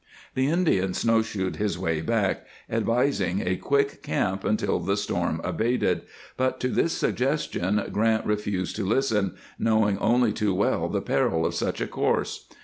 The Indian snow shoed his way back, advising a quick camp until the storm abated, but to this suggestion Grant refused to listen, knowing only too well the peril of such a course.